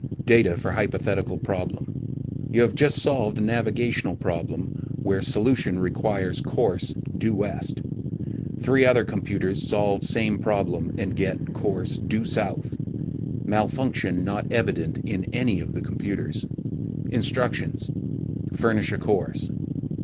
DATA FOR HYPOTHETICAL PROBLEM: YOU HAVE JUST SOLVED A NAVIGATIONAL PROBLEM WHOSE SOLUTION REQUIRES COURSE DUE WEST. THREE OTHER COMPUTERS SOLVE SAME PROBLEM AND GET COURSE DUE SOUTH. MALFUNCTION NOT EVIDENT IN ANY OF FOUR COMPUTERS. INSTRUCTIONS: FURNISH A COURSE.